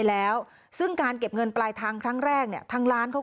กลัวโทรอาตผมไม่ติดส่วนแพ้งอะไรเนี่ย